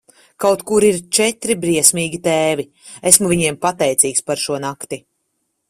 Kaut kur ir četri briesmīgi tēvi, esmu viņiem pateicīgs par šo nakti.